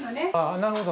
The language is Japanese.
なるほど。